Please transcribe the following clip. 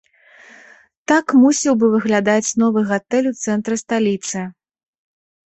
Так мусіў бы выглядаць новы гатэль у цэнтры сталіцы.